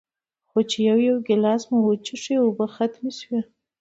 خو چې يو يو ګلاس مو وڅښو نو اوبۀ ختمې شوې